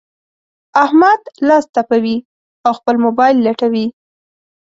احمد لاس تپوي؛ او خپل مبايل لټوي.